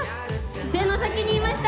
視線の先にいました。